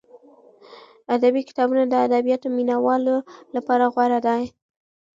ادبي کتابونه د ادبیاتو مینه والو لپاره غوره دي.